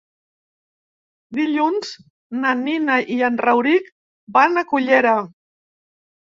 Dilluns na Nina i en Rauric van a Cullera.